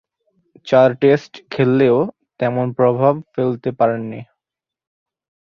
চার টেস্ট খেললেও তেমন প্রভাব ফেলতে পারেননি।